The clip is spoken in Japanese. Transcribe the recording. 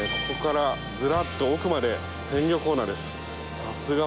ここからずらっと奥まで鮮魚コーナーです。